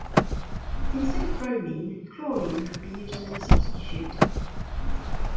Instead of bromine, chlorine could be a substituent.